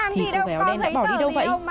thì cô gái áo đen đã bỏ đi đâu vậy